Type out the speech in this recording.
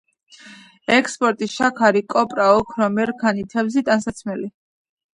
ექსპორტი: შაქარი, კოპრა, ოქრო, მერქანი, თევზი, ტანსაცმელი.